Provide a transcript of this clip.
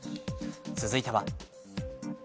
続いては。